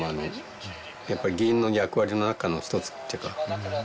やっぱり議員の役割の中の一つというか。